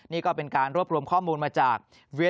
นี่ก็เป็นการรวบรวมข้อมูลมาจาก